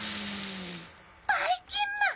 ・ばいきんまん！